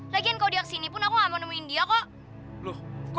lagian kalau dia kesini pun aku gak mau nemuin dia kok loh kok